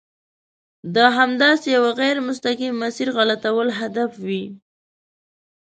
د همداسې یوه غیر مستقیم مسیر غلطول هدف وي.